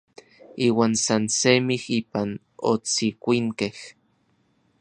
Iuan san semij ipan otsikuinkej.